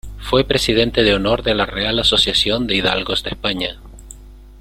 Fue presidente de honor de la Real Asociación de Hidalgos de España.